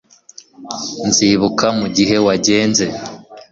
nzibuka mugihe wagenze